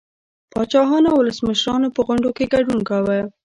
پاچاهانو او ولسمشرانو په غونډو کې ګډون کاوه